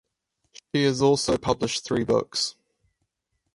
She has also published three books.